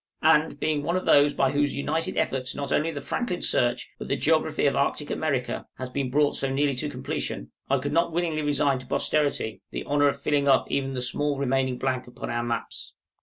and, being one of those by whose united efforts not only the Franklin search, but the geography of Arctic America, has been brought so nearly to completion, I could not willingly resign to posterity, the honor of filling up even the small remaining blank upon our maps.